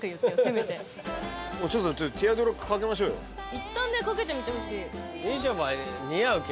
いったん掛けてみてほしい。